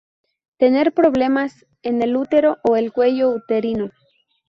Tener problemas en el útero o el cuello uterino.